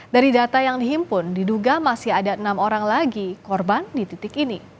dari data yang dihimpun diduga masih ada enam orang lagi korban di titik ini